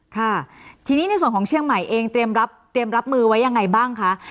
ค่ะทีนี้ในส่วนของเชียงใหม่เองเตรียมรับมือไว้ยังไงบ้างคะ